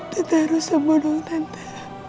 tante harus sembuh dong tante